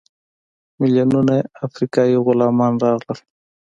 میلیونونه افریقایي غلامان راغلل.